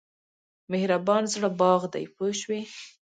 مهربان زړه باغ دی پوه شوې!.